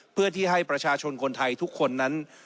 เพื่อที่ให้ประชาชนคนไทยทุกคนนั้น